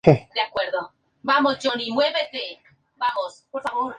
Fue eliminado en la primera ronda.